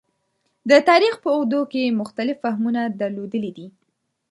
د تاریخ په اوږدو کې مختلف فهمونه درلودلي دي.